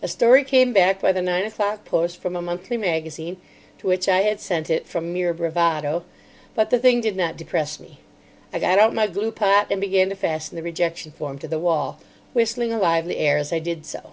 A story came back by the nine o'clock post from a monthly magazine (to which I had sent it from mere bravado), but the thing did not depress me. I got out my glue pot and began to fasten the rejection form to the wall, whistling a lively air as I did so.